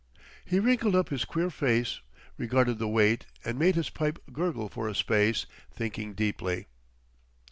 He wrinkled up his queer face, regarded the wait and made his pipe gurgle for a space, thinking deeply.